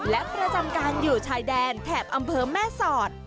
และประจำการอยู่ชายแดนแถบอำเภอแม่สอด